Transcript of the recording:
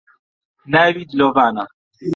ناوی دلۆڤانە